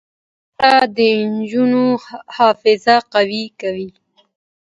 زده کړه د نجونو حافظه قوي کوي.